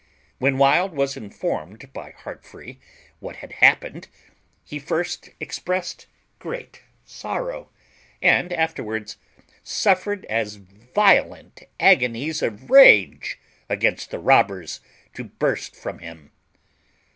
When Wild was informed by Heartfree what had happened he first expressed great sorrow, and afterwards suffered as violent agonies of rage against the robbers to burst from him.